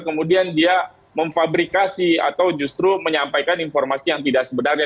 kemudian dia memfabrikasi atau justru menyampaikan informasi yang tidak sebenarnya